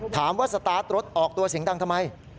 สตาร์ทรถออกตัวเสียงดังทำไม